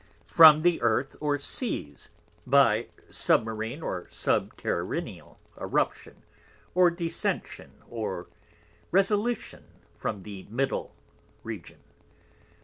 from the Earth or Seas, as by Submarine or Subterraneal Eruption or Descension or Resilition from the middle Region.'